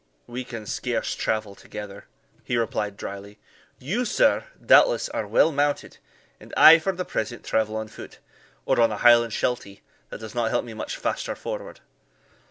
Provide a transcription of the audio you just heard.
"We can scarce travel together," he replied, drily. "You, sir, doubtless, are well mounted, and I for the present travel on foot, or on a Highland shelty, that does not help me much faster forward."